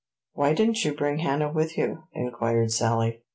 "Why didn't you bring Hannah with you?" inquired Sally.